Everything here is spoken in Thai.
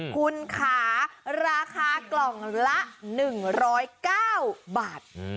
คุณค่ะราคากล่องละ๑๐๙บาท